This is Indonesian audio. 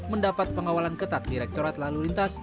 mendapat pengawalan ketat direkturat lalu lintas